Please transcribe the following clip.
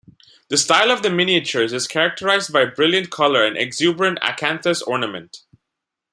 The style of the miniatures is characterized by brilliant colour and exuberant acanthus ornament.